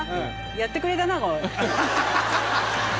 やってくれたなおい。